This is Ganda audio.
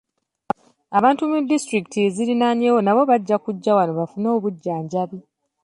Abantu mu disitulikiti eziriraanyeewo nabo bajja kujja wano bafune obujjanjabi.